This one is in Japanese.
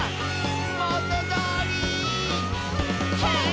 「もとどおり」「ヘイ！」